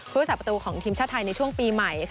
ผู้รักษาประตูของทีมชาติไทยในช่วงปีใหม่